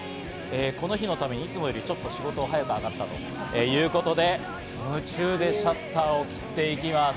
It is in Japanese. この日のためにいつもよりちょっと仕事早く上がったということで、夢中でシャッターを切っていきます。